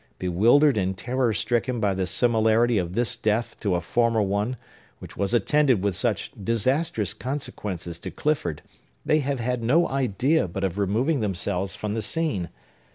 Bewildered and terror stricken by the similarity of this death to a former one, which was attended with such disastrous consequences to Clifford, they have had no idea but of removing themselves from the scene.